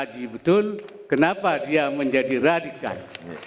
kaji betul kenapa dia menjadi radikal